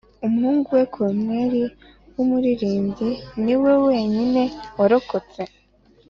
umuhungu we corneille w'umuririmbyi niwe wenyine warokotse